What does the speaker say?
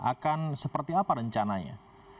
akan seperti apa rencananya